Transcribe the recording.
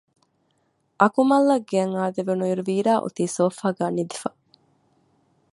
އަކުމަލްއަށް ގެއަށް އާދެވުނުއިރު ވީރާ އޮތީ ސޯފާގައި ނިދިފަ